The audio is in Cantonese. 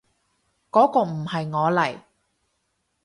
嗰個唔係我嚟